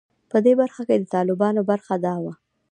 په دې برخه کې د طالبانو برخه دا وه.